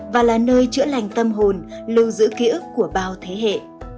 và là nơi chữa lành tâm hồn lưu giữ ký ức của bao thế hệ